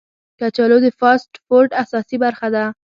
کچالو د فاسټ فوډ اساسي برخه ده